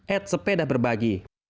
at sepeda berbagi